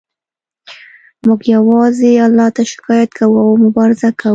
موږ یوازې الله ته شکایت کوو او مبارزه کوو